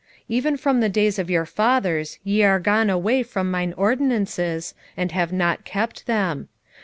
3:7 Even from the days of your fathers ye are gone away from mine ordinances, and have not kept them.